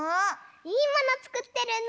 いいものつくってるの！